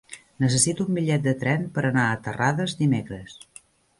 Necessito un bitllet de tren per anar a Terrades dimecres.